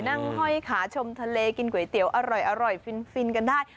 ห้อยขาชมทะเลกินก๋วยเตี๋ยวอร่อยฟินกันได้